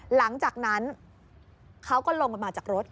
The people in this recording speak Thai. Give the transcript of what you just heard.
หลังจากนั้นเขาก็ลงกันมาจากรถ